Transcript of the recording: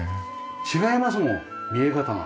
違いますもん見え方が。